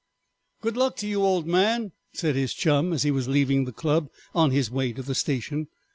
"Good luck to you, old man," said his chum as he was leaving the club on his way to the station.